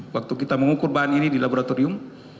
waktu kita mengukur bahan ini di laboratorium